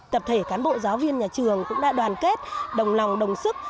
tập thể cán bộ giáo viên nhà trường cũng đã đoàn kết đồng lòng đồng sức